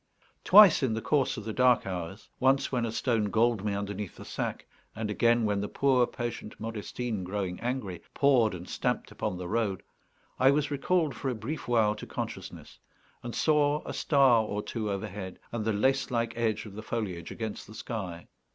Twice in the course of the dark hours once when a stone galled me underneath the sack, and again when the poor patient Modestine, growing angry, pawed and stamped upon the road I was recalled for a brief while to consciousness, and saw a star or two overhead, and the lace like edge of the foliage against the sky.